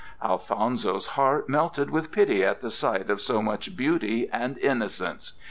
Alfonso's heart melted with pity at the sight of so much beauty and innocence.